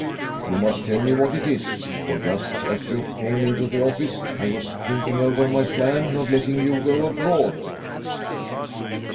" You must tell me what it is, for just as you came into the office I was thinking over my plan of letting you go abroad."